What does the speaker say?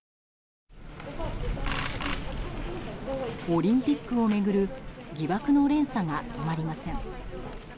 オリンピックを巡る疑惑の連鎖が止まりません。